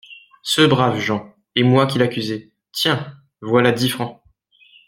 Ce brave Jean !… et moi qui l’accusais !… tiens ! voilà dix francs !